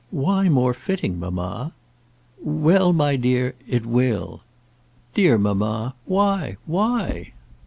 "Why more fitting, mamma?" "Well, my dear; it will." "Dear mamma; why, why?"